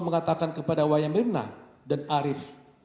mengatakan kepada wayamirna dan arief